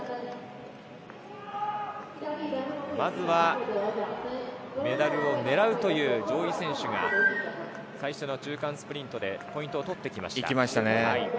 まずはメダルを狙うという上位選手が最初の中間スプリントでポイントを取ってきました。